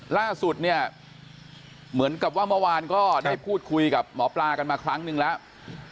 ล่าสุดเนี่ยเหมือนกับว่าเมื่อวานก็ได้พูดคุยกับหมอปลากันมาครั้งนึงแล้ว